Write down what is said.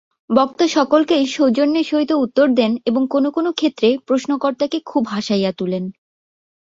বক্তা সকলকেই সৌজন্যের সহিত উত্তর দেন এবং কোন কোন ক্ষেত্রে প্রশ্নকর্তাকে খুব হাসাইয়া তুলেন।